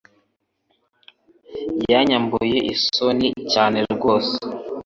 Yanyambuye isoni cyane rwose